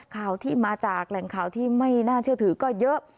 ข่าวที่มาจากแหล่งข่าวที่ไม่น่าเชื่อถือก็เยอะ